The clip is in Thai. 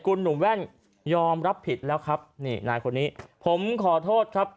คุณหนุ่มแว่นยอมรับผิดแล้วครับนี่นายคนนี้ผมขอโทษครับ